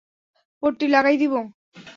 পট্টি লাগাই দিবো?